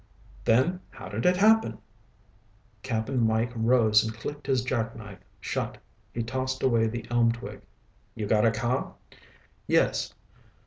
"Then how did it happen?" Cap'n Mike rose and clicked his jackknife shut. He tossed away the elm twig. "You got a car?" "Yes."